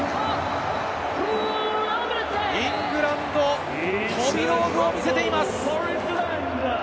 イングランド、飛び道具を見せています。